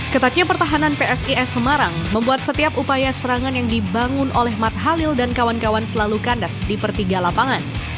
ketatnya pertahanan psis semarang membuat setiap upaya serangan yang dibangun oleh matt halil dan kawan kawan selalu kandas di pertiga lapangan